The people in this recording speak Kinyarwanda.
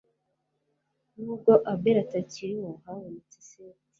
n ubwo abeli atakiriho habonetse seti